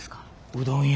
うどん屋。